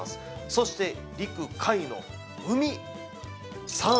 そして、陸・海の「海」。